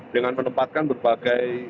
dengan menempatkan berbagai